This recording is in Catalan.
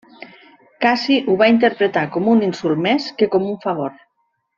Cassi ho va interpretar com un insult més que com un favor.